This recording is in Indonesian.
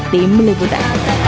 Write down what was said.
tim loli buta